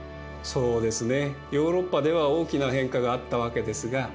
そうですね。